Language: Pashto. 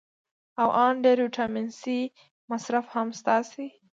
او ان ډېر ویټامین سي مصرف هم ستاسې